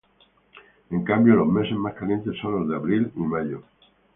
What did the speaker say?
En cambio los meses más calientes son los de Abril y Mayo.